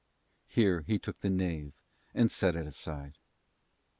Here he took the knave and laid it aside.